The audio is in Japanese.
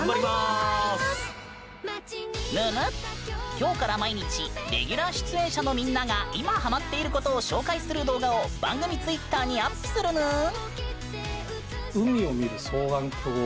今日から毎日レギュラー出演者のみんなが今、ハマっていることを紹介する動画を番組ツイッターにアップするぬーん。